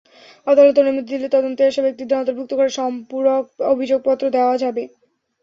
আদালত অনুমতি দিলে তদন্তে আসা ব্যক্তিদের অন্তর্ভুক্ত করে সম্পূরক অভিযোগপত্র দেওয়া যাবে।